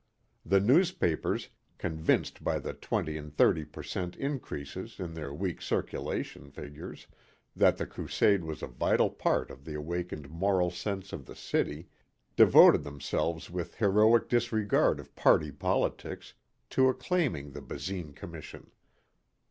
The newspapers, convinced by the twenty and thirty per cent increases in their week's circulation figures that the crusade was a vital part of the awakened moral sense of the city, devoted themselves with heroic disregard of party politics to acclaiming the Basine commission.